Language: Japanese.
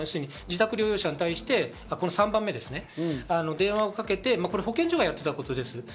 自宅療養者に対して、この３番目ですね、電話をかけて保健所がやっていたことです。